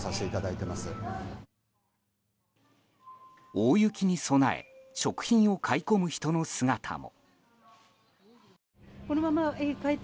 大雪に備え食品を買い込む人の姿も。